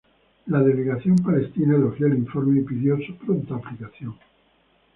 La delegación palestina elogió el informe y pidió su pronta aplicación.